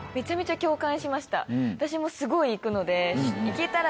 私もすごい行くので行けたら。